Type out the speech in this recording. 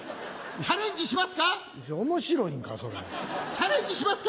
チャレンジしますか？